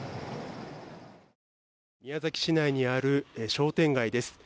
宮崎市内にある商店街です。